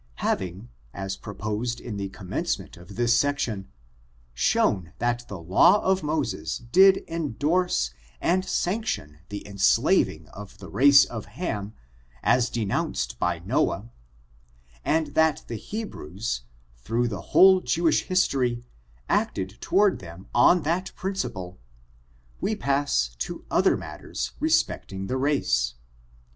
Having, as proposed in the commencement of this section, shown that the law of Moses did indorse and sanction the enslaving of the race of Ham, as de fuunced by Noah, and that the Hebrews, through the whole Jewish history, acted toward them on that principle, we pass to other matters respecting the race.